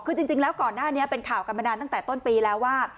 คือจริงแล้วก่อนหน้านี้เป็นข่าวกันมานานตั้งแต่ต้นปีแล้วว่า